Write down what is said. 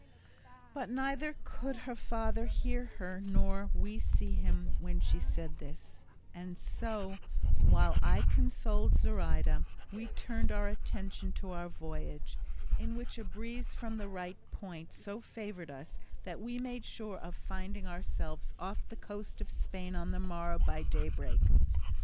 But neither could her father hear her nor we see him when she said this; and so, while I consoled Zoraida, we turned our attention to our voyage, in which a breeze from the right point so favoured us that we made sure of finding ourselves off the coast of Spain on the morrow by daybreak.